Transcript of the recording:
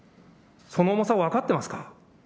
その重さを分かってますか。